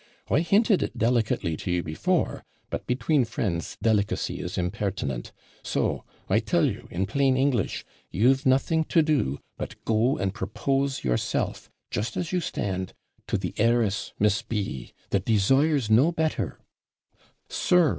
I hinted it delicately to you before, but, between friends, delicacy is impertinent; so I tell you, in plain English, you've nothing to do but go and propose yourself, just as you stand, to the heiress Miss B , that desires no better ' 'Sir!'